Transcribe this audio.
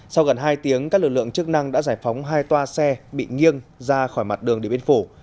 sau gần hai tiếng các lực lượng chức năng đã giải phóng hai toa xe bị nghiêng ra khỏi mặt đường địa biên phủ